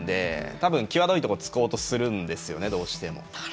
多分、際どいところを突こうとするんですよね、どうしても。